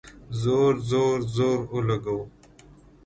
زور ، زور، زور اولګوو